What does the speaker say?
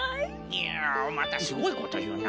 いやまたすごいこというな。